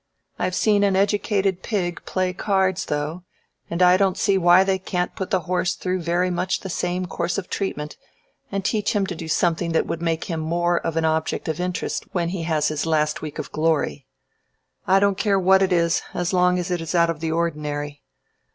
I've seen an educated pig play cards, though, and I don't see why they can't put the horse through very much the same course of treatment and teach him to do something that would make him more of an object of interest when he has his week of glory. I don't care what it is as long as it is out of the ordinary."